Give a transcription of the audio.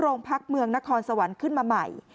โรงพักเมืองนครสวรรค์ขึ้นมาใหม่